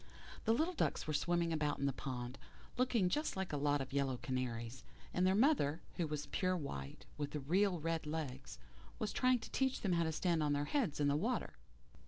The little ducks were swimming about in the pond, looking just like a lot of yellow canaries, and their mother, who was pure white with real red legs, was trying to teach them how to stand on their heads in the water.